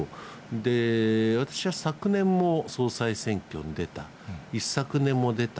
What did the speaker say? で、私は昨年も総裁選挙に出た、一昨年も出た。